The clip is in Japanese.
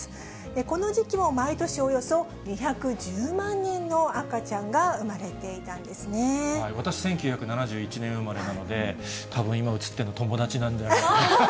この時期も毎年およそ２１０万人の赤ちゃんが生まれていたんです私、１９７１年生まれなので、たぶん、今写ってるの、友達なんじゃないかな。